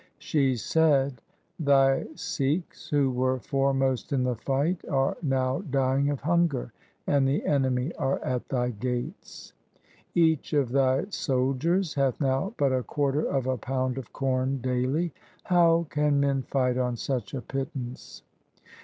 She said, .' Thy Sikhs who were foremost in the fight are now dying of hunger, and the enemy are at thy gates. Each of thy soldiers hath now but a quarter of a pound of corn daily. How can men fight on such a pit tance